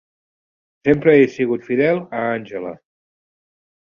Sempre he sigut fidel a Angela.